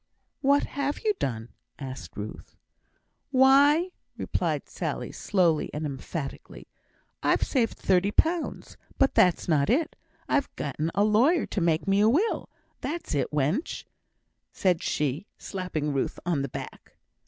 "What have you done?" asked Ruth. "Why," replied Sally, slowly and emphatically, "I've saved thirty pound! but that's not it. I've getten a lawyer to make me a will; that's it, wench!" said she, slapping Ruth on the back.